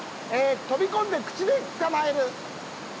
飛び込んで口で捕まえる。